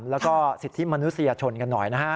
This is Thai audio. แล้วก็สิทธิมนุษยชนกันหน่อยนะฮะ